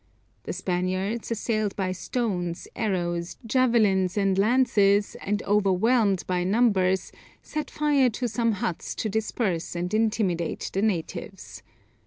The Spaniards, assailed by stones, arrows, javelins, and lances, and overwhelmed by numbers, set fire to some huts to disperse and intimidate the natives.